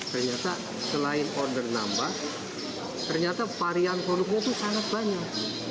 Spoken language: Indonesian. ternyata selain order nambah ternyata varian produknya itu sangat banyak